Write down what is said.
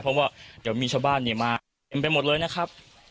เพราะว่าเดี๋ยวมีชาวบ้านมาเต็มไปหมดเลยนะครับ